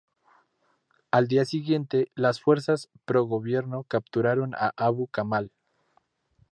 Al día siguiente, las fuerzas pro-gobierno capturaron a Abu Kamal.